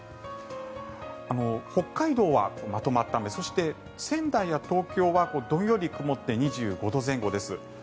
北海道はまとまった雨そして、仙台や東京はどんより曇って２５度前後です。